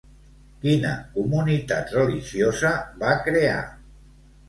Quina comunitat religiosa va crear?